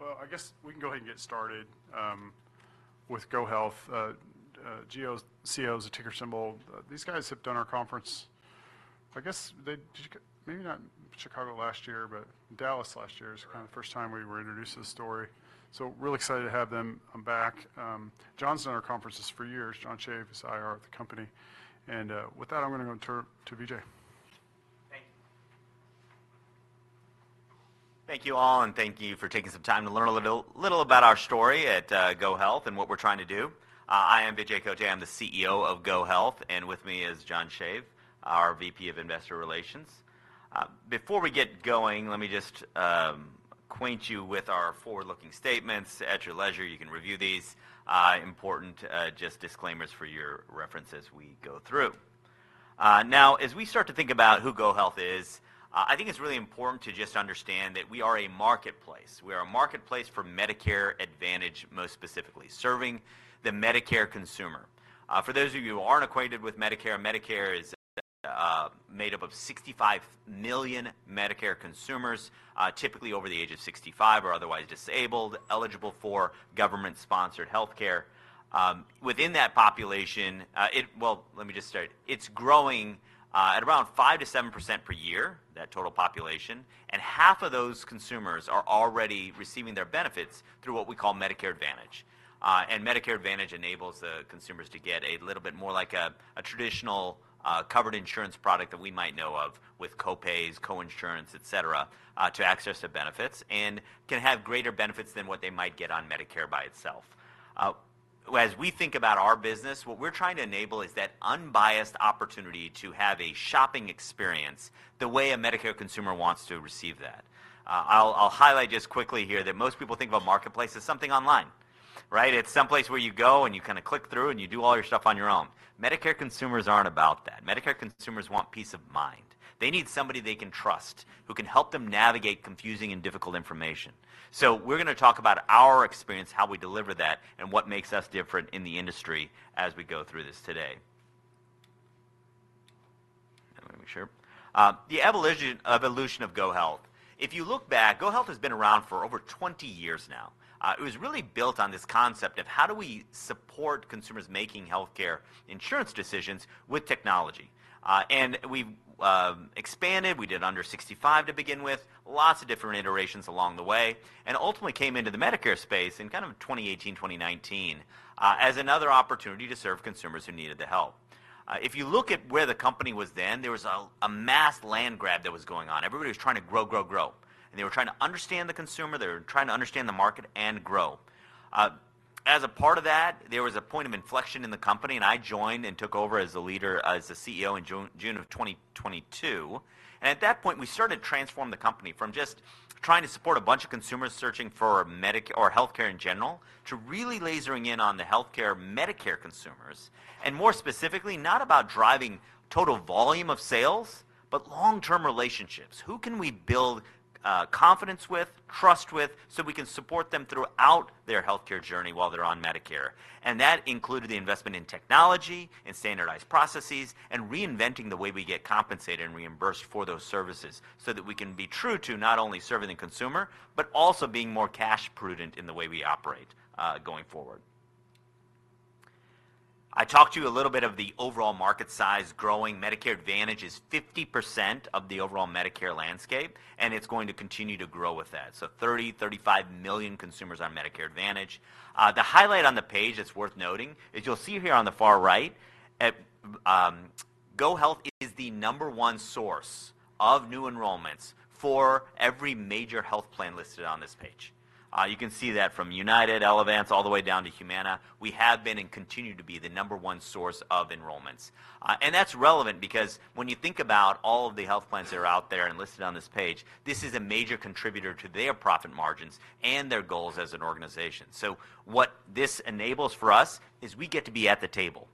I guess we can go ahead and get started with GoHealth. GOCO is the ticker symbol. These guys have done our conference. I guess they did. Maybe not Chicago last year, but Dallas last year was kind of the first time we were introduced to this story. So real excited to have them back. John's done our conferences for years. John Chave is IR at the company, and with that, I'm gonna go turn to Vijay. Thank you. Thank you all, and thank you for taking some time to learn a little about our story at GoHealth and what we're trying to do. I am Vijay Kotte, the CEO of GoHealth, and with me is John Chave, our VP of Investor Relations. Before we get going, let me just acquaint you with our forward-looking statements. At your leisure, you can review these important just disclaimers for your reference as we go through. Now, as we start to think about who GoHealth is, I think it's really important to just understand that we are a marketplace. We are a marketplace for Medicare Advantage, most specifically, serving the Medicare consumer. For those of you who aren't acquainted with Medicare, Medicare is made up of 65 million Medicare consumers, typically over the age of 65 or otherwise disabled, eligible for Government-Sponsored Healthcare. Within that population, it's growing at around 5-7% per year, that total population, and half of those consumers are already receiving their benefits through what we call Medicare Advantage, and Medicare Advantage enables the consumers to get a little bit more like a traditional covered insurance product that we might know of, with co-pays, co-insurance, et cetera, to access the benefits, and can have greater benefits than what they might get on Medicare by itself. As we think about our business, what we're trying to enable is that unbiased opportunity to have a shopping experience the way a Medicare consumer wants to receive that. I'll highlight just quickly here that most people think about marketplace as something online. Right? It's someplace where you go, and you kinda click through, and you do all your stuff on your own. Medicare consumers aren't about that. Medicare consumers want peace of mind. They need somebody they can trust, who can help them navigate confusing and difficult information. So we're gonna talk about our experience, how we deliver that, and what makes us different in the industry as we go through this today. Let me make sure. The evolution of GoHealth. If you look back, GoHealth has been around for over 20 years now. It was really built on this concept of how do we support consumers making healthcare insurance decisions with technology? And we've expanded. We did under 65 to begin with, lots of different iterations along the way, and ultimately came into the Medicare space in kind of 2018, 2019, as another opportunity to serve consumers who needed the help. If you look at where the company was then, there was a mass land grab that was going on. Everybody was trying to grow, grow, grow, and they were trying to understand the consumer, they were trying to understand the market and grow. As a part of that, there was a point of inflection in the company, and I joined and took over as the leader, as the CEO in June of 2022. And at that point, we started to transform the company from just trying to support a bunch of consumers searching for Medicare or healthcare in general, to really lasering in on the healthcare, Medicare consumers, and more specifically, not about driving total volume of sales, but long-term relationships. Who can we build confidence with, trust with, so we can support them throughout their healthcare journey while they're on Medicare? And that included the investment in technology and standardized processes and reinventing the way we get compensated and reimbursed for those services, so that we can be true to not only serving the consumer, but also being more cash prudent in the way we operate going forward. I talked to you a little bit of the overall market size. Growing Medicare Advantage is 50% of the overall Medicare landscape, and it's going to continue to grow with that. So 33-35 million consumers on Medicare Advantage. The highlight on the page that's worth noting is you'll see here on the far right, at GoHealth is the number one source of new enrollments for every major health plan listed on this page. You can see that from United, Elevance, all the way down to Humana. We have been and continue to be the number one source of enrollments. And that's relevant because when you think about all of the health plans that are out there and listed on this page, this is a major contributor to their profit margins and their goals as an organization. So what this enables for us is we get to be at the table.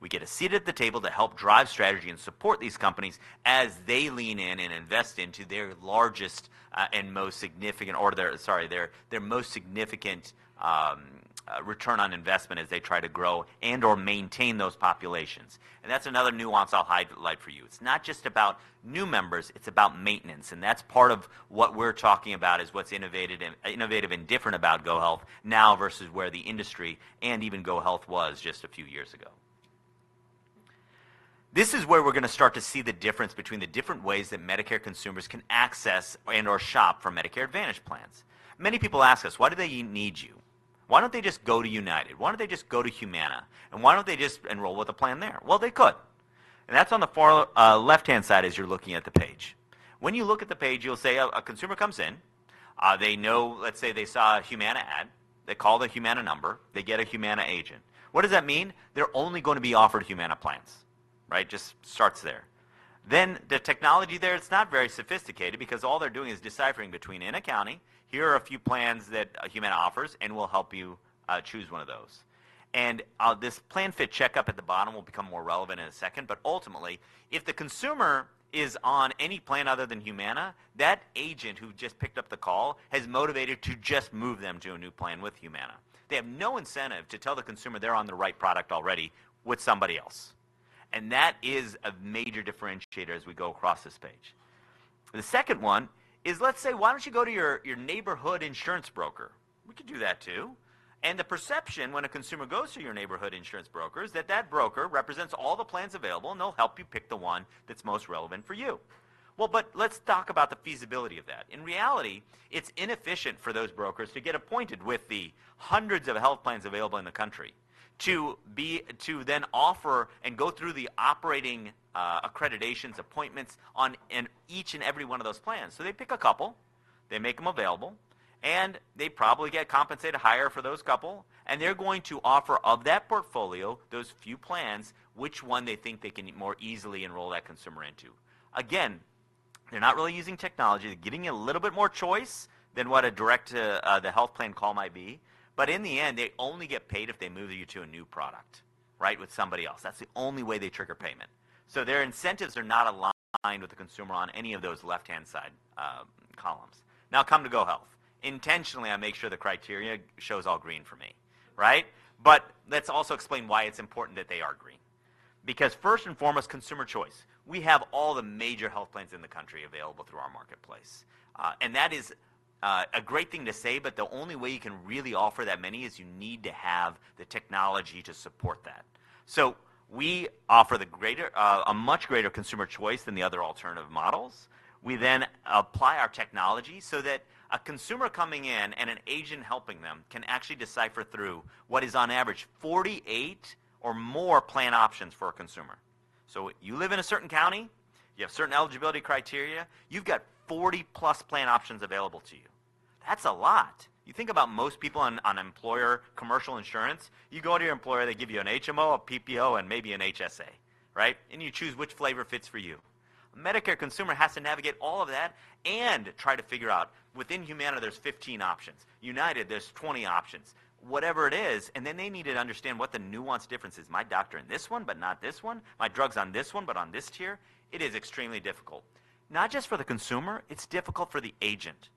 We get a seat at the table to help drive strategy and support these companies as they lean in and invest into their largest and most significant return on investment as they try to grow and/or maintain those populations. And that's another nuance I'll highlight for you. It's not just about new members, it's about maintenance, and that's part of what we're talking about is what's innovative and different about GoHealth now versus where the industry and even GoHealth was just a few years ago. This is where we're gonna start to see the difference between the different ways that Medicare consumers can access and/or shop for Medicare Advantage plans. Many people ask us: Why do they need you? Why don't they just go to United? Why don't they just go to Humana? Why don't they just enroll with a plan there? They could, that's on the far left-hand side as you're looking at the page. When you look at the page, you'll see a consumer comes in, they know. Let's say they saw a Humana ad, they call the Humana number, they get a Humana agent. What does that mean? They're only gonna be offered Humana plans, right? Just starts there. Then, the technology there, it's not very sophisticated because all they're doing is deciding between in a county. Here are a few plans that Humana offers, and we'll help you choose one of those. And, this PlanFit Checkup at the bottom will become more relevant in a second, but ultimately, if the consumer is on any plan other than Humana, that agent who just picked up the call is motivated to just move them to a new plan with Humana. They have no incentive to tell the consumer they're on the right product already with somebody else and that is a major differentiator as we go across this page. The second one is, let's say, why don't you go to your neighborhood insurance broker? We could do that, too. And the perception when a consumer goes to your neighborhood insurance broker is that that broker represents all the plans available, and they'll help you pick the one that's most relevant for you. Well, but let's talk about the feasibility of that. In reality, it's inefficient for those brokers to get appointed with the hundreds of health plans available in the country to then offer and go through the operating accreditations, appointments on, in each and every one of those plans. So they pick a couple, they make them available, and they probably get compensated higher for those couple, and they're going to offer of that portfolio, those few plans, which one they think they can more easily enroll that consumer into. Again, they're not really using technology. They're giving you a little bit more choice than what a direct to the health plan call might be, but in the end, they only get paid if they move you to a new product, right? With somebody else. That's the only way they trigger payment. So their incentives are not aligned with the consumer on any of those left-hand side columns. Now, come to GoHealth. Intentionally, I make sure the criteria shows all green for me, right? But let's also explain why it's important that they are green. Because first and foremost, consumer choice. We have all the major health plans in the country available through our marketplace, and that is a great thing to say, but the only way you can really offer that many is you need to have the technology to support that. So we offer the greater, a much greater consumer choice than the other alternative models. We then apply our technology so that a consumer coming in and an agent helping them can actually decipher through what is on average 48 or more plan options for a consumer. So you live in a certain county, you have certain eligibility criteria, you've got 40 plus plan options available to you. That's a lot! You think about most people on employer commercial insurance, you go to your employer, they give you an HMO, a PPO, and maybe an HSA, right? And you choose which flavor fits for you. A Medicare consumer has to navigate all of that and try to figure out within Humana, there's 15 options, United, there's 20 options, whatever it is, and then they need to understand what the nuance difference is. My doctor in this one, but not this one. My drugs on this one, but on this tier. It is extremely difficult, not just for the consumer, it's difficult for the agent.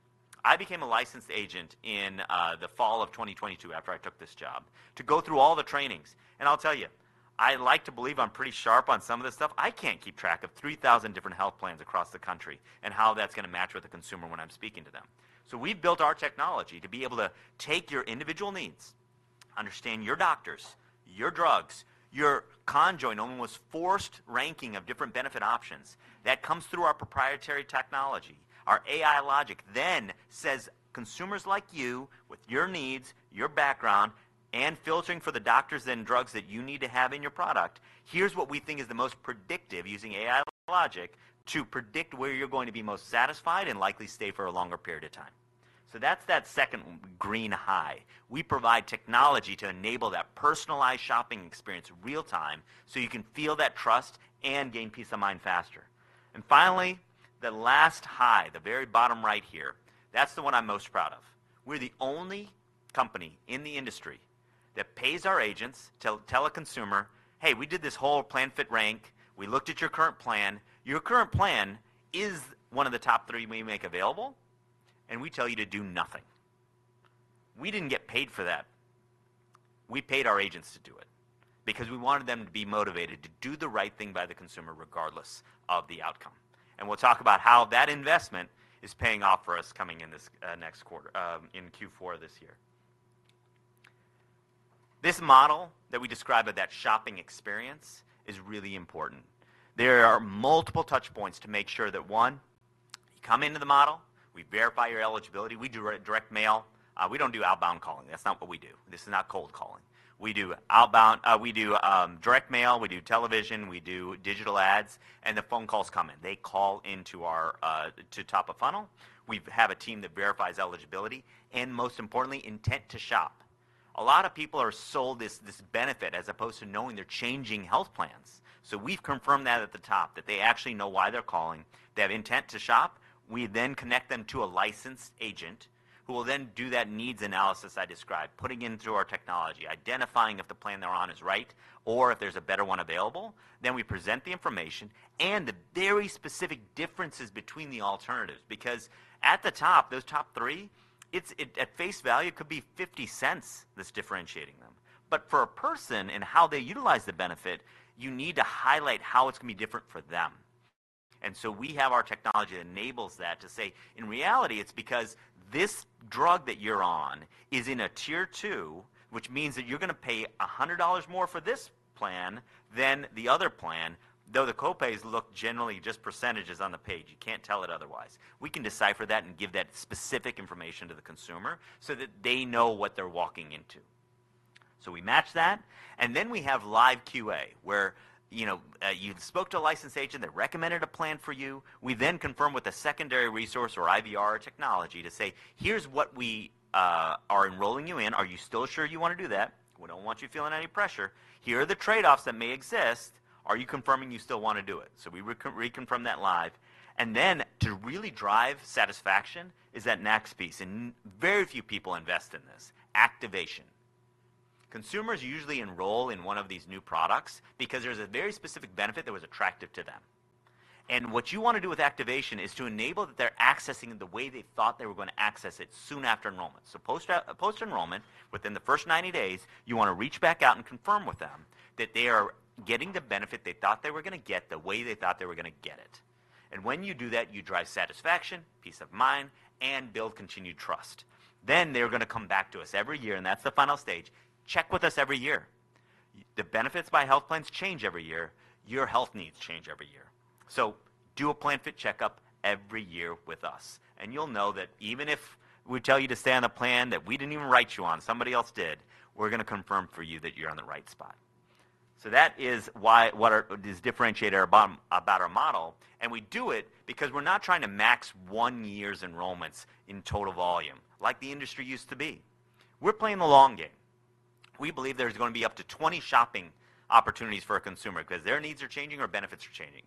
I became a licensed agent in the fall of 2022 after I took this job, to go through all the trainings, and I'll tell you, I like to believe I'm pretty sharp on some of this stuff. I can't keep track of 3,000 different health plans across the country and how that's gonna match with the consumer when I'm speaking to them. So we've built our technology to be able to take your individual needs, understand your doctors, your drugs, your conjoint, almost forced ranking of different benefit options. That comes through our proprietary technology. Our AI Logic then says, consumers like you, with your needs, your background, and filtering for the doctors and drugs that you need to have in your product, here's what we think is the most predictive, using AI logic, to predict where you're going to be most satisfied and likely stay for a longer period of time, so that's that second green high. We provide technology to enable that personalized shopping experience real time, so you can feel that trust and gain peace of mind faster, and finally, the last high, the very bottom right here, that's the one I'm most proud of. We're the only company in the industry that pays our agents to tell a consumer, "Hey, we did this whole PlanFit rank. We looked at your current plan. Your current plan is one of the top three we make available, and we tell you to do nothing." We didn't get paid for that. We paid our agents to do it because we wanted them to be motivated to do the right thing by the consumer regardless of the outcome and we'll talk about how that investment is paying off for us coming in this next quarter in Q4 of this year. This model that we describe of that shopping experience is really important. There are multiple touch points to make sure that one, you come into the model, we verify your eligibility, we do direct mail. We don't do outbound calling. That's not what we do. This is not cold calling. We do direct mail, we do Television, we do Digital ads, and the phone calls come in. They call into our top of funnel. We have a team that verifies eligibility and most importantly, intent to shop. A lot of people are sold this benefit as opposed to knowing they're changing Health Plans. So we've confirmed that at the top, that they actually know why they're calling, they have intent to shop. We then connect them to a licensed agent, who will then do that needs analysis I described, putting in through our technology, identifying if the plan they're on is right or if there's a better one available. Then we present the information and the very specific differences between the alternatives, because at the top, those top three, it at face value, it could be fifty cents that's differentiating them. But for a person and how they utilize the benefit, you need to highlight how it's gonna be different for them. And so we have our technology enables that to say, in reality, it's because this drug that you're on is in a tier two, which means that you're gonna pay $100 more for this plan than the other plan, though the copays look generally just percentages on the page. You can't tell it otherwise. We can decipher that and give that specific information to the consumer so that they know what they're walking into. So we match that, and then we have live QA, where, you know, you've spoke to a licensed agent that recommended a plan for you. We then confirm with a secondary resource or IVR technology to say, "Here's what we are enrolling you in. Are you still sure you wanna do that? We don't want you feeling any pressure. Here are the trade-offs that may exist. Are you confirming you still wanna do it?" so we reconfirm that live, and then to really drive satisfaction is that next piece, and very few people invest in this: activation. Consumers usually enroll in one of these new products because there's a very specific benefit that was attractive to them and what you wanna do with activation is to enable that they're accessing it the way they thought they were gonna access it soon after enrollment, so post-enrollment, within the first ninety days, you wanna reach back out and confirm with them that they are getting the benefit they thought they were gonna get the way they thought they were gonna get it. And when you do that, you drive satisfaction, peace of mind, and build continued trust then they're gonna come back to us every year, and that's the final stage. Check with us every year. The benefits by health plans change every year. Your health needs change every year. So do a PlanFit Checkup every year with us, and you'll know that even if we tell you to stay on a plan that we didn't even write you on, somebody else did, we're gonna confirm for you that you're on the right spot. So that is why what differentiates our model, and we do it because we're not trying to max one year's enrollments in total volume, like the industry used to be. We're playing the long game. We believe there's gonna be up to 20 shopping opportunities for a consumer 'cause their needs are changing or benefits are changing.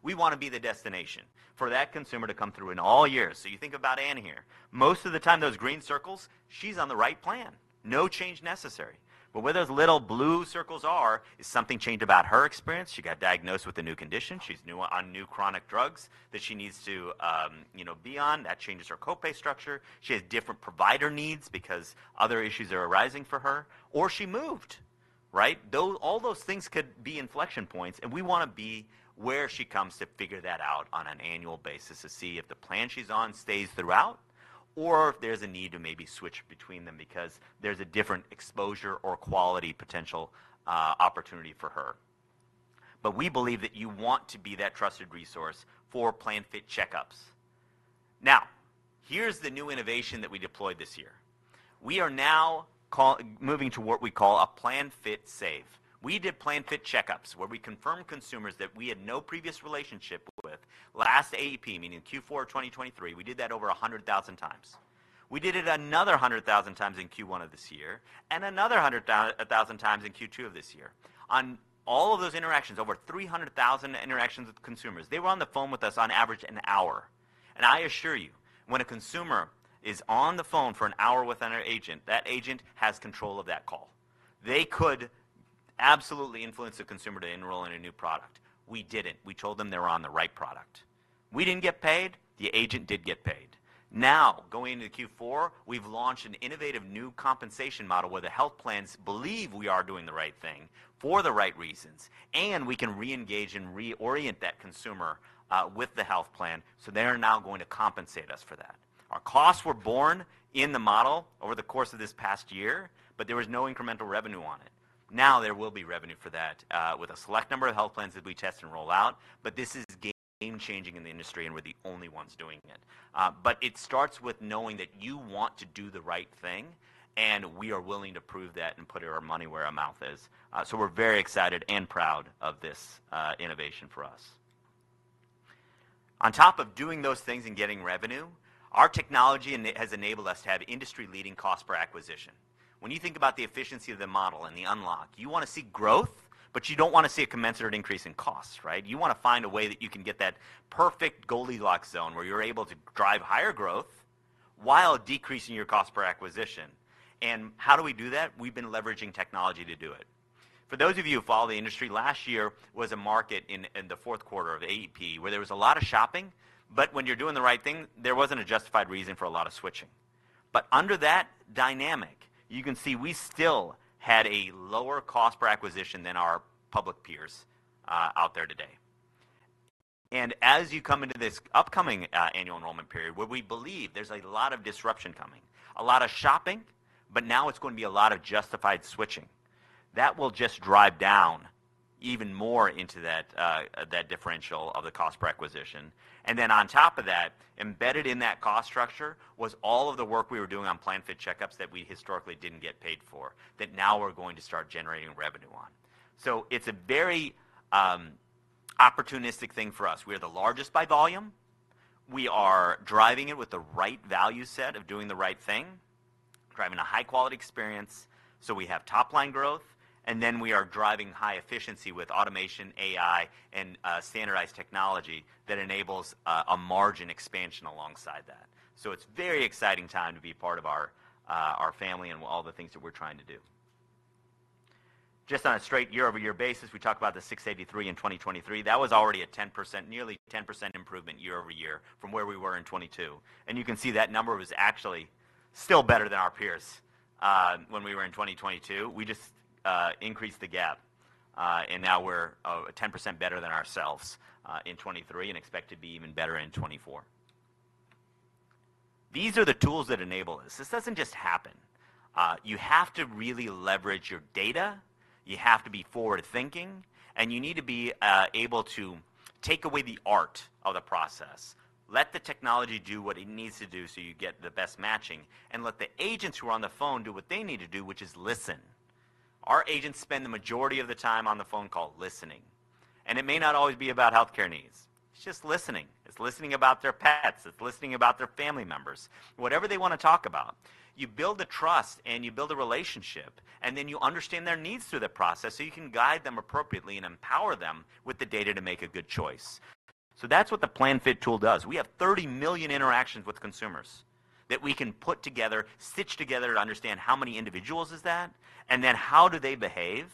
We wanna be the destination for that consumer to come through in all years. So you think about Anne here. Most of the time, those green circles, she's on the right plan. No change necessary. But where those little blue circles are is something changed about her experience. She got diagnosed with a new condition. She's now on new chronic drugs that she needs to, you know, be on, that changes her copay structure. She has different provider needs because other issues are arising for her, or she moved, right? Those, all those things could be inflection points, and we wanna be where she comes to figure that out on an annual basis to see if the plan she's on stays throughout, or if there's a need to maybe switch between them because there's a different exposure or quality potential, opportunity for her. But we believe that you want to be that trusted resource for PlanFit Checkups. Now, here's the new innovation that we deployed this year. We are now moving to what we call a PlanFit Save. We did PlanFit Checkups, where we confirmed consumers that we had no previous relationship with last AEP, meaning in Q4 2023, we did that over 100,000 times. We did it another 100,000 times in Q1 of this year, and another 100,000 times in Q2 of this year. On all of those interactions, over 300,000 interactions with consumers, they were on the phone with us on average an hour. I assure you, when a consumer is on the phone for an hour with an agent, that agent has control of that call. They could absolutely influence the consumer to enroll in a new product. We didn't. We told them they were on the right product. We didn't get paid. The agent did get paid. Now, going into Q4, we've launched an Innovative New Compensation model, where the Health Plans believe we are doing the right thing for the right reasons, and we can reengage and reorient that consumer, with the health plan, so they are now going to compensate us for that. Our costs were borne in the model over the course of this past year, but there was no incremental revenue on it. Now, there will be revenue for that, with a select number of health plans that we test and roll out, but this is game-changing in the industry, and we're the only ones doing it. But it starts with knowing that you want to do the right thing, and we are willing to prove that and put our money where our mouth is. So we're very excited and proud of this, innovation for us. On top of doing those things and getting revenue, our technology has enabled us to have industry-leading cost per acquisition. When you think about the efficiency of the model and the unlock, you wanna see growth, but you don't wanna see a commensurate increase in costs, right? You wanna find a way that you can get that perfect Goldilocks zone, where you're able to drive higher growth while decreasing your cost per acquisition. And how do we do that? We've been leveraging technology to do it. For those of you who follow the industry, last year was a market in the fourth quarter of AEP, where there was a lot of shopping, but when you're doing the right thing, there wasn't a justified reason for a lot of switching. But under that dynamic, you can see we still had a lower cost per acquisition than our public peers, out there today. And as you come into this upcoming annual enrollment period, where we believe there's a lot of disruption coming, a lot of shopping, but now it's gonna be a lot of justified switching. That will just drive down even more into that differential of the cost per acquisition. And then on top of that, embedded in that cost structure, was all of the work we were doing on PlanFit Checkups that we historically didn't get paid for, that now we're going to start generating revenue on. So it's a very opportunistic thing for us. We are the largest by volume. We are driving it with the right value set of doing the right thing, driving a high-quality experience, so we have top-line growth, and then we are driving high efficiency with automation, AI, and standardized technology that enables a margin expansion alongside that. So it's very exciting time to be part of our family and all the things that we're trying to do. Just on a straight year-over-year basis, we talked about the six eighty-three in 2023. That was already a 10%, nearly 10% improvement year over year from where we were in 2022. And you can see that number was actually still better than our peers' when we were in 2022. We just increased the gap and now we're 10% better than ourselves in 2023 and expect to be even better in 2024. These are the Tools that enable us. This doesn't just happen. You have to really leverage your data, you have to be forward-thinking, and you need to be able to take away the art of the process. Let the technology do what it needs to do, so you get the best matching, and let the agents who are on the phone do what they need to do, which is listen. Our agents spend the majority of the time on the phone call listening, and it may not always be about healthcare needs. It's just listening. It's listening about their pets, it's listening about their family members, whatever they wanna talk about. You build the trust, and you build a relationship, and then you understand their needs through the process, so you can guide them appropriately and empower them with the data to make a good choice.... That's what the PlanFit Tool does. We have 30 million interactions with consumers that we can put together, stitch together, to understand how many individuals is that, and then how do they behave,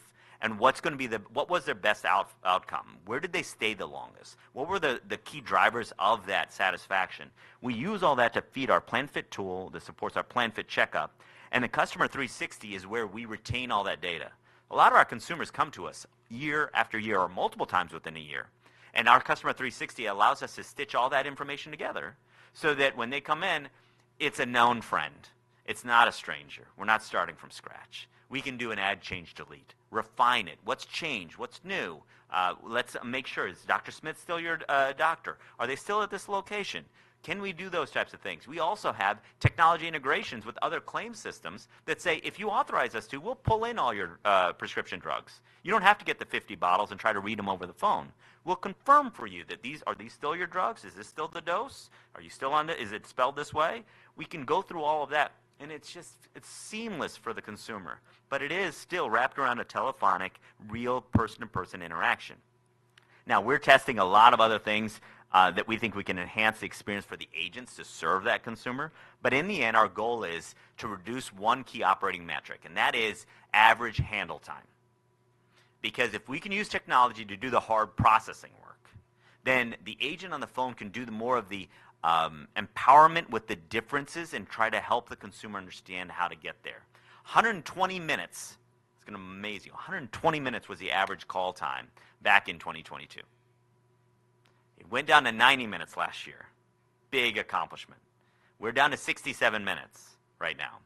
and what was their best outcome? Where did they stay the longest? What were the key drivers of that satisfaction? We use all that to feed our PlanFit Tool that supports our PlanFit Checkup, and the Customer 360 is where we retain all that data. A lot of our consumers come to us year after year or multiple times within a year, and our Customer 360 allows us to stitch all that information together so that when they come in, it's a known friend. It's not a stranger. We're not starting from scratch. We can do an add, change, delete, refine it. What's changed? What's new? Let's make sure. Is Dr. Smith still your doctor? Are they still at this location? Can we do those types of things? We also have technology integrations with other claims systems that say, if you authorize us to, we'll pull in all your prescription drugs. You don't have to get the fifty bottles and try to read them over the phone. We'll confirm for you that these... Are these still your drugs? Is this still the dose? Are you still on the? Is it spelled this way? We can go through all of that, and it's just, it's seamless for the consumer, but it is still wrapped around a telephonic, real person-to-person interaction. Now, we're testing a lot of other things that we think we can enhance the experience for the agents to serve that consumer. But in the end, our goal is to reduce one key operating metric, and that is average handle time. Because if we can use technology to do the hard processing work, then the agent on the phone can do the more of the, empowerment with the differences and try to help the consumer understand how to get there. 120 minutes, it's gonna amaze you. 120 minutes was the average call time back in 2022. It went down to 90 minutes last year. Big accomplishment. We're down to 67 minutes right now.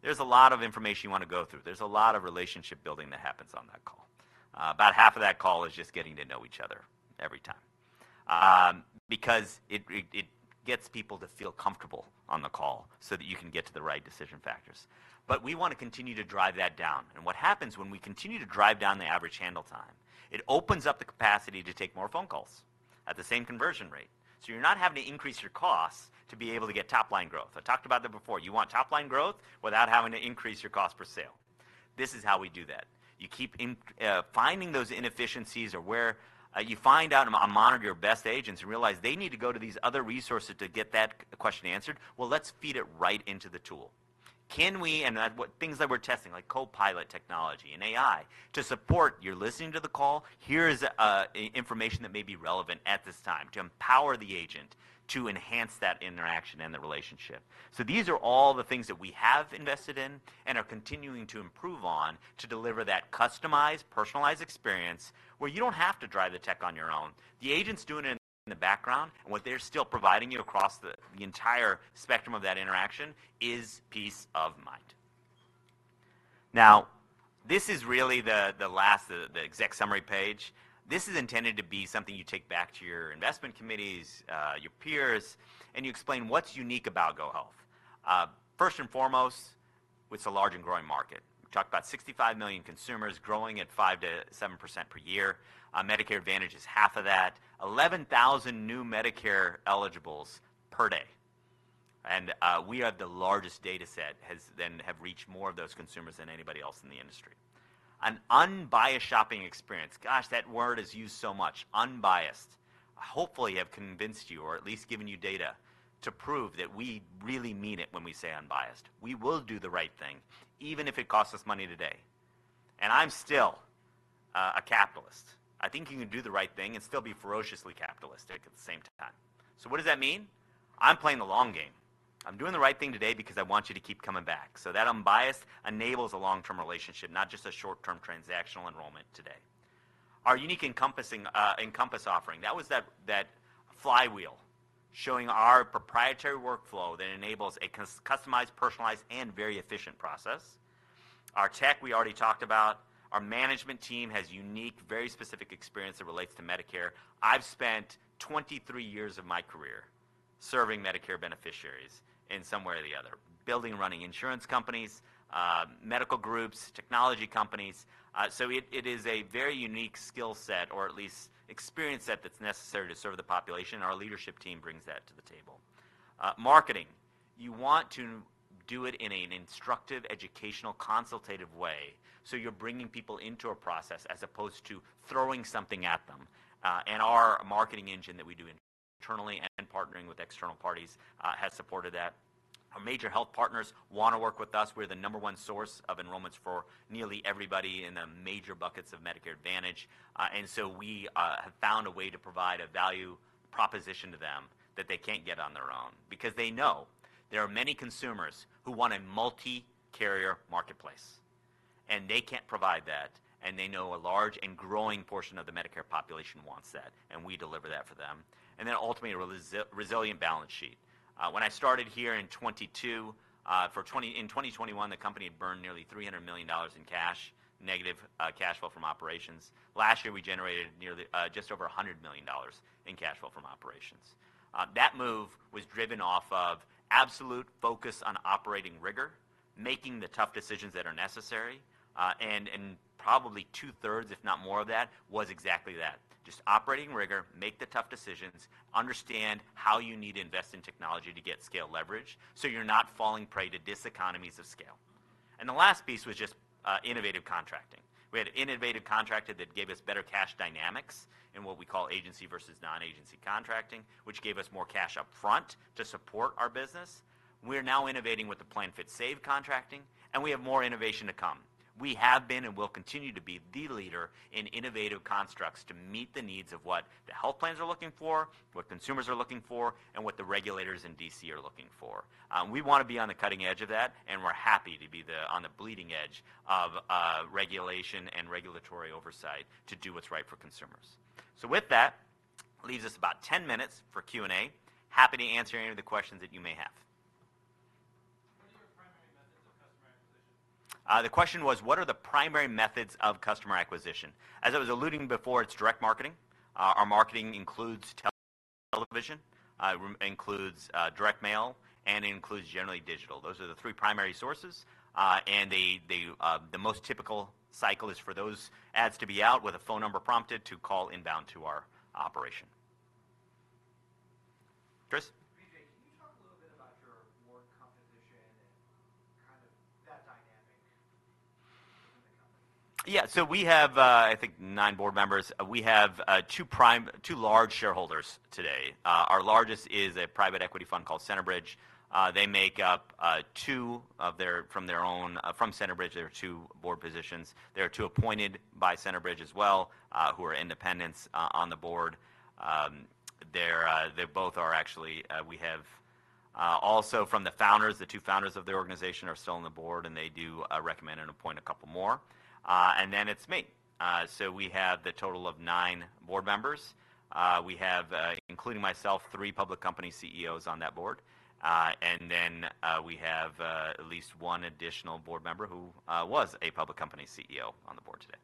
There's a lot of information you wanna go through. There's a lot of relationship building that happens on that call. About half of that call is just getting to know each other every time. Because it gets people to feel comfortable on the call so that you can get to the right decision factors. But we wanna continue to drive that down, and what happens when we continue to drive down the average handle time, it opens up the capacity to take more phone calls at the same conversion rate. So you're not having to increase your costs to be able to get top-line growth. I talked about that before. You want top-line growth without having to increase your cost per sale. This is how we do that. You keep finding those inefficiencies or where you find out and monitor your best agents and realize they need to go to these other resources to get that question answered. Well, let's feed it right into the tool. Can we? And then what things that we're testing, like Copilot Technology and AI, to support, you're listening to the call, here is information that may be relevant at this time to empower the agent to enhance that interaction and the relationship. So these are all the things that we have invested in and are continuing to improve on to deliver that customized, personalized experience where you don't have to drive the tech on your own. The agent's doing it in the background, and what they're still providing you across the entire spectrum of that interaction is peace of mind. Now, this is really the last, the exec summary page. This is intended to be something you take back to your investment committees, your peers, and you explain what's unique about GoHealth. First and foremost, it's a large and growing market. We talked about 65 million consumers growing at 5-7% per year. Medicare Advantage is 32.5 million. 11,000 new Medicare eligibles per day, and we have the largest data set that has reached more of those consumers than anybody else in the industry. An unbiased shopping experience. Gosh, that word is used so much, unbiased. I hopefully have convinced you or at least given you data to prove that we really mean it when we say unbiased. We will do the right thing, even if it costs us money today, and I'm still a capitalist. I think you can do the right thing and still be ferociously capitalistic at the same time. So what does that mean? I'm playing the long game. I'm doing the right thing today because I want you to keep coming back. So that unbiased enables a long-term relationship, not just a short-term transactional enrollment today. Our unique Encompass offering, that, that flywheel, showing our proprietary workflow that enables a customized, personalized, and very efficient process. Our tech, we already talked about. Our management team has unique, very specific experience that relates to Medicare. I've spent 23 years of my career serving Medicare beneficiaries in some way or the other, building and running insurance companies, medical groups, technology companies. So it is a very unique skill set or at least experience set that's necessary to serve the population. Our leadership team brings that to the table. Marketing, you want to do it in an instructive, educational, consultative way, so you're bringing people into a process as opposed to throwing something at them. And our marketing engine that we do internally and partnering with external parties has supported that. Our major health partners wanna work with us. We're the number one source of enrollments for nearly everybody in the major buckets of Medicare Advantage. And so we have found a way to provide a value proposition to them that they can't get on their own because they know there are many consumers who want a multi-carrier marketplace, and they can't provide that, and they know a large and growing portion of the Medicare population wants that, and we deliver that for them. And then ultimately, a resilient balance sheet. When I started here in 2022, in 2021, the company had burned nearly $300 million in cash, negative cash flow from operations. Last year, we generated nearly just over $100 million in cash flow from operations. That move was driven off of absolute focus on operating rigor, making the tough decisions that are necessary, and probably two-thirds, if not more of that, was exactly that, just operating rigor, make the tough decisions, understand how you need to invest in technology to get scale leverage, so you're not falling prey to diseconomies of scale, and the last piece was just innovative contracting. We had an innovative contract that gave us better cash dynamics in what we call agency versus non-agency contracting, which gave us more cash upfront to support our business. We're now innovating with the PlanFit Save contracting, and we have more innovation to come. We have been, and will continue to be, the leader in innovative constructs to meet the needs of what the health plans are looking for, what consumers are looking for, and what the regulators in DC are looking for. We wanna be on the cutting edge of that, and we're happy to be on the bleeding edge of regulation and regulatory oversight to do what's right for consumers. So with that, leaves us about ten minutes for Q&A. Happy to answer any of the questions that you may have. The question was: What are the primary methods of customer acquisition? As I was alluding before, it's direct marketing. Our marketing includes television, includes direct mail, and includes generally digital. Those are the three primary sources, and the most typical cycle is for those ads to be out with a phone number prompted to call inbound to our operation. Chris? Vijay, can you talk a little bit about your board composition and kind of that dynamic in the company? Yeah. So we have, I think nine board members. We have, two prime, two large shareholders today. Our largest is a private equity fund called Centerbridge. They make up, two of their. From their own, from Centerbridge, there are two board positions. There are two appointed by Centerbridge as well, who are independents on the board. They're, they both are actually. We have, also from the founders, the two founders of the organization are still on the board, and they do, recommend and appoint a couple more, and then it's me. So we have the total of nine board members. We have, including myself, three public company CEOs on that board. And then, we have at least one additional board member who was a public company CEO on the board today.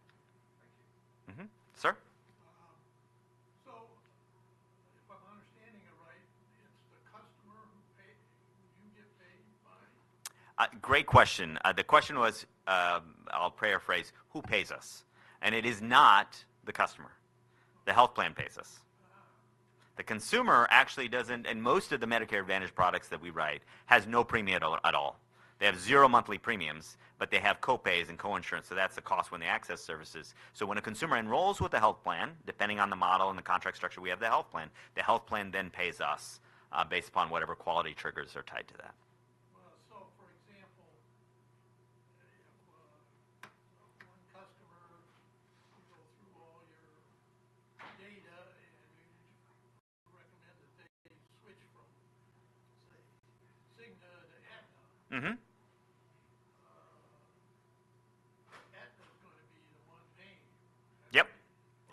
Thank you. Mm-hmm. Sir? So if I'm understanding it right, it's the customer who you get paid by? Great question. The question was, I'll paraphrase, who pays us? And it is not the customer. The health plan pays us. Uh huh. The consumer actually doesn't, and most of the Medicare Advantage products that we write, has no premium at all, at all. They have zero monthly premiums, but they have co-pays and co-insurance, so that's the cost when they access services. So when a consumer enrolls with the health plan, depending on the model and the contract structure, we have the health plan. The health plan then pays us, based upon whatever quality triggers are tied to that. So for example, one customer, you go through all your data, and you recommend that they switch from, say, Cigna to Aetna. Mm-hmm. Aetna is gonna be the one paying. Yep,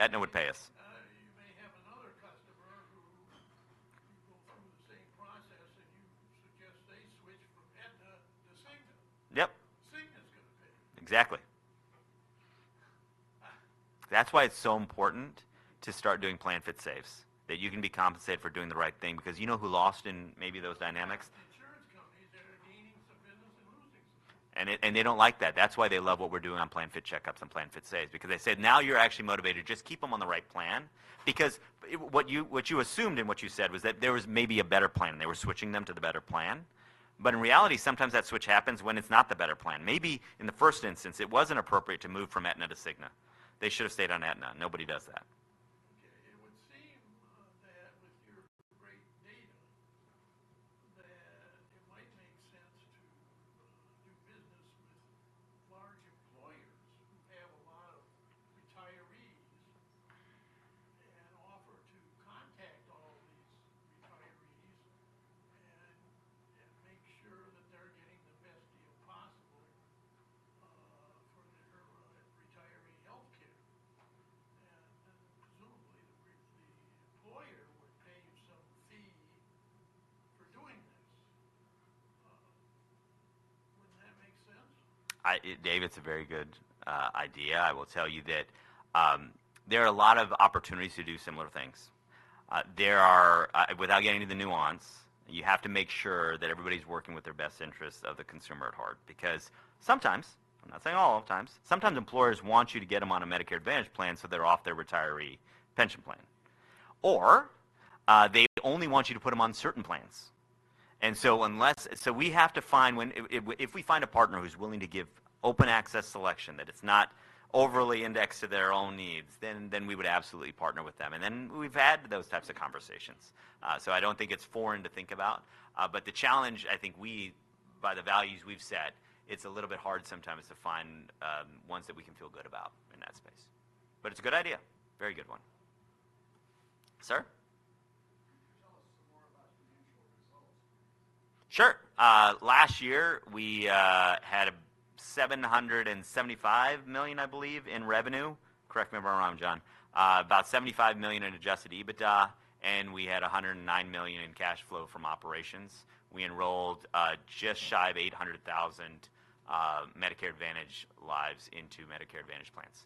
Aetna would pay us. You may have another customer who you go through the same process, and you suggest they switch from Aetna to Cigna. Yep. Cigna's gonna pay. Exactly. That's why it's so important to start doing PlanFit Saves, that you can be compensated for doing the right thing, because you know who lost in maybe those dynamics? Insurance companies that are gaining some members and losing some. And they don't like that. That's why they love what we're doing on PlanFit Checkups and PlanFit Saves because they said, "Now, you're actually motivated. Just keep them on the right plan." Because what you assumed and what you said was that there was maybe a better plan, and they were switching them to the better plan. But in reality, sometimes that switch happens when it's not the better plan. Maybe in the first instance, it wasn't appropriate to move from Aetna to Cigna. They should have stayed on Aetna, nobody does that. Okay, it would seem that with your great data, that it might make sense to do business with large employers who have a lot of retirees, and offer to contact all these retirees and make sure that they're getting the best deal possible for their retiree health care. And presumably, the employer would pay you some fee for doing this. Wouldn't that make sense? Dave, it's a very good idea. I will tell you that, there are a lot of opportunities to do similar things. There are, without getting into the nuance, you have to make sure that everybody's working with their best interests of the consumer at heart. Because sometimes, I'm not saying all of the times, sometimes employers want you to get them on a Medicare Advantage plan, so they're off their retiree pension plan, or, they only want you to put them on certain plans. And so unless... So we have to find when, if we find a partner who's willing to give open access selection, that it's not overly indexed to their own needs, then we would absolutely partner with them. And then, we've had those types of conversations. So I don't think it's foreign to think about, but the challenge, I think we, by the values we've set, it's a little bit hard sometimes to find ones that we can feel good about in that space. But it's a good idea. Very good one. Sir? Can you tell us some more about your financial results? Sure. Last year, we had $775 million, I believe, in revenue. Correct me if I'm wrong, John. About $75 million in Adjusted EBITDA, and we had $109 million in cash flow from operations. We enrolled just shy of 800,000 Medicare Advantage lives into Medicare Advantage plans.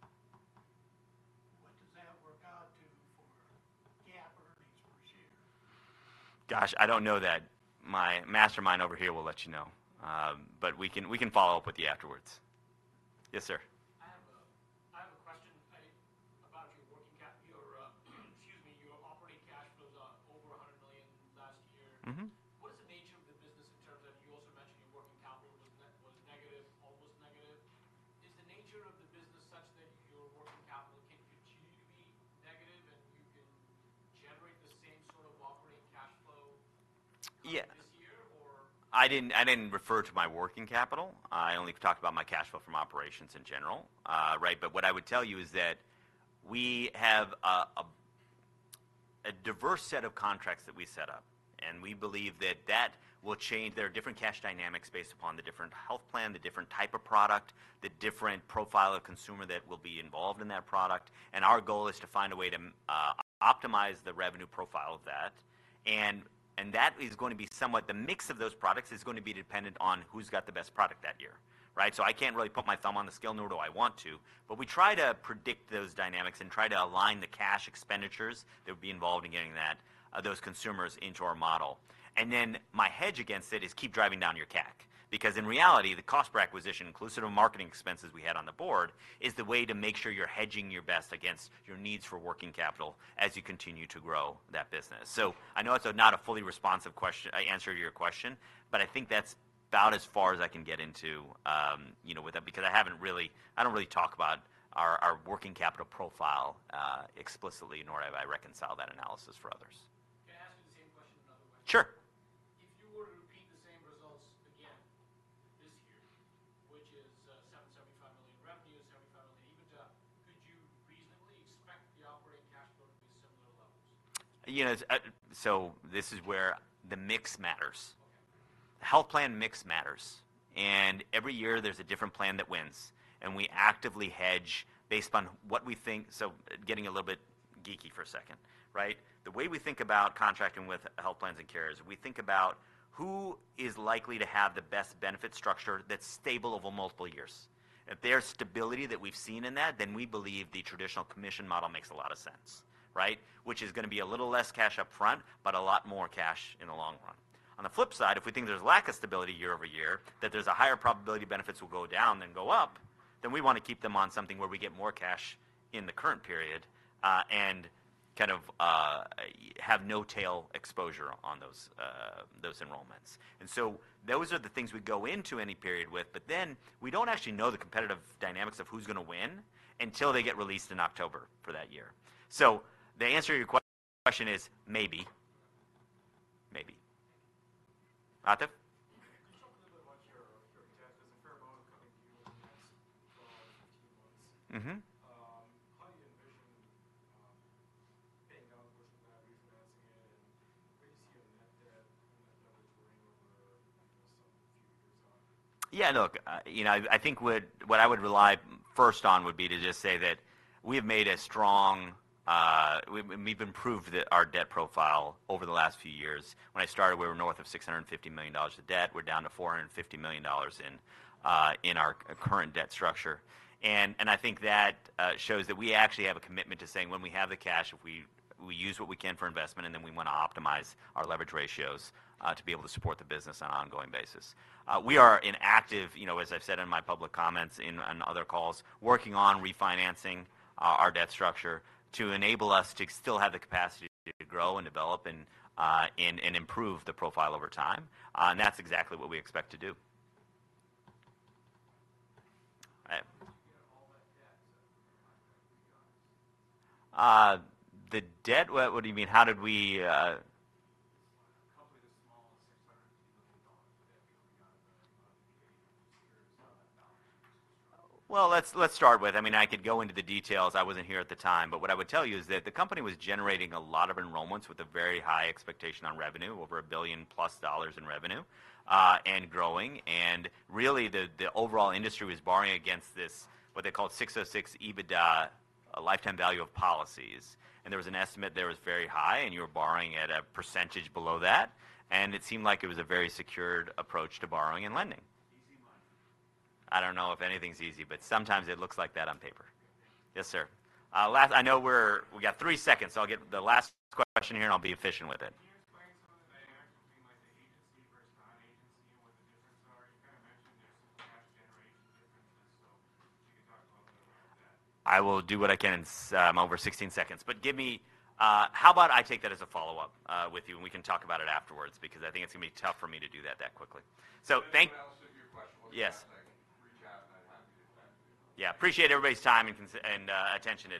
What does that work out to for GAAP earnings per share? Gosh, I don't know that. My mastermind over here will let you know. But we can follow up with you afterwards. Yes, sir.... over $100 million last year. Mm-hmm. What is the nature of the business in terms of, you also mentioned your working capital was negative, almost negative? Is the nature of the business such that your working capital can continue to be negative, and you can generate the same sort of operating cash flow- Yes this year, or? I didn't refer to my working capital. I only talked about my Cash Flow from Operations in general. Right, but what I would tell you is that we have a diverse set of contracts that we set up, and we believe that will change. There are different cash dynamics based upon the different health plan, the different type of product, the different profile of consumer that will be involved in that product. And our goal is to find a way to optimize the revenue profile of that. And that is gonna be somewhat the mix of those products is gonna be dependent on who's got the best product that year, right? So I can't really put my thumb on the scale, nor do I want to. But we try to predict those dynamics and try to align the cash expenditures that would be involved in getting that, those consumers into our model. And then my hedge against it is keep driving down your CAC. Because in reality, the cost per acquisition, inclusive of marketing expenses we had on the board, is the way to make sure you're hedging your best against your needs for working capital as you continue to grow that business. So I know it's not a fully responsive question, answer to your question, but I think that's about as far as I can get into, you know, with that, because I haven't really. I don't really talk about our working capital profile explicitly nor have I reconciled that analysis for others. Can I ask you the same question another way? Sure. If you were to repeat the same results again this year, which is, $775 million revenue $75 million EBITDA, could you reasonably expect the operating cash flow to be similar levels? You know, so this is where the mix matters. Okay. The Health Plan mix matters, and every year there's a different plan that wins, and we actively hedge based upon what we think. So getting a little bit geeky for a second, right? The way we think about contracting with health plans and carriers, we think about who is likely to have the best benefit structure that's stable over multiple years. If there's stability that we've seen in that, then we believe the traditional commission model makes a lot of sense, right? Which is gonna be a little less cash up front, but a lot more cash in the long run. On the flip side, if we think there's a lack of stability year over year, that there's a higher probability benefits will go down than go up, then we wanna keep them on something where we get more cash in the current period, and kind of have no tail exposure on those enrollments. And so those are the things we go into any period with, but then we don't actually know the competitive dynamics of who's gonna win until they get released in October for that year. So the answer to your question is: maybe. Maybe. Atif? Just talk a little bit about your debt. There's a fair amount coming due over the next 12-18 months. Mm-hmm. How do you envision paying down a portion of liability financing and where do you see a net debt, net numbers running over the next few years on? Yeah, look, you know, I think what I would rely first on would be to just say that we have made a strong, we've improved our debt profile over the last few years. When I started, we were north of $650 million of debt. We're down to $450 million in our current debt structure. And I think that shows that we actually have a commitment to saying when we have the cash, we use what we can for investment, and then we want to optimize our leverage ratios to be able to support the business on an ongoing basis. We are actively, you know, as I've said in my public comments on other calls, working on refinancing our debt structure to enable us to still have the capacity to grow and develop and improve the profile over time. And that's exactly what we expect to do. Where did you get all that debt? The debt? What, what do you mean, how did we, A company as small as $650 million, where did you got the... Let's start with... I mean, I could go into the details. I wasn't here at the time, but what I would tell you is that the company was generating a lot of enrollments with a very high expectation on revenue, over $1 billion-plus in revenue, and growing. And really, the overall industry was borrowing against this, what they called 606 EBITDA, a lifetime value of policies. And there was an estimate there was very high, and you were borrowing at a percentage below that, and it seemed like it was a very secured approach to borrowing and lending. Easy money. I don't know if anything's easy, but sometimes it looks like that on paper. Okay. Yes, sir. Last, I know we're, we got three seconds, so I'll get the last question here, and I'll be efficient with it. Can you explain some of the dynamics between, like, the agency versus non-agency and what the differences are? You kind of mentioned there's cash generation differences, so if you could talk a little bit about that. I will do what I can in over 16 seconds. But give me... How about I take that as a follow-up with you, and we can talk about it afterwards? Because I think it's gonna be tough for me to do that quickly. So thank- I'll save your question. Yes. Reach out, and I'm happy to do that. Yeah, appreciate everybody's time and consideration and attention today.